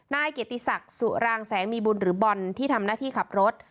นายเกียรติศักดิ์สุรางแสงมีบุญหรือบอลที่ทำหน้าที่ขับรถ